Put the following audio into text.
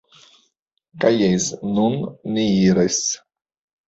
Kaj jes nun ni iras